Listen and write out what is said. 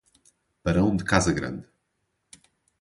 barão de Casagrande